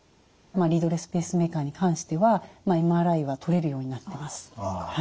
リードレスペースメーカーに関してはＭＲＩは撮れるようになってます。